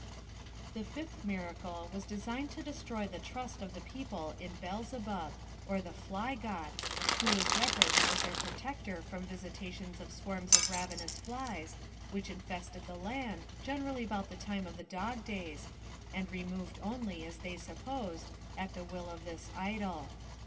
The fifth miracle was designed to destroy the trust of the people in Beelzebub, or the Fly god, who was reverenced as their protector from visitations of swarms of ravenous flies, which infested the xand, generally about the time of the dog days, and removed only, as they supposed, at the will of this idol.